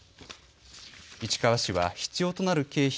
市川市は必要となる経費